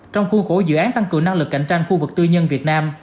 trong khuôn khổ dự án tăng cường năng lực cạnh tranh khu vực tư nhân việt nam